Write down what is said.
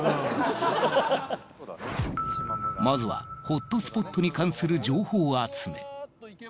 まずはホットスポットに関する情報集め。